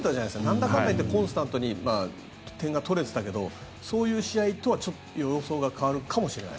なんだかんだいってコンスタントに点が取れていたけどそういう試合とはちょっと様相が変わるかもしれない？